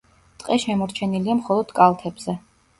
ტყე შემორჩენილია მხოლოდ კალთებზე.